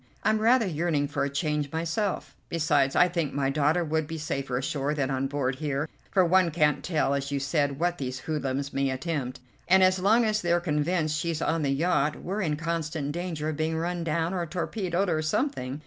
I'm rather yearning for a change myself; besides I think my daughter would be safer ashore than on board here, for one can't tell, as you said, what these hoodlums may attempt; and as long as they're convinced she's on the yacht we're in constant danger of being run down, or torpedoed, or something.